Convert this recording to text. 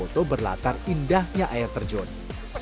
untuk menikmati keindahan alamnya para pengunjung juga bisa swapun